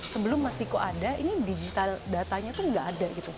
sebelum mas viko ada ini digital datanya tuh nggak ada gitu